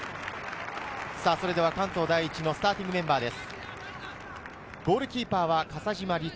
関東第一のスターティングメンバーです。